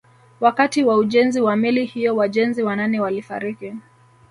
Wakati wa ujenzi wa meli hiyo wajenzi wanane walifariki